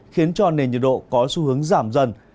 khiến cho nền nhiệt độ có xu hướng giảm dần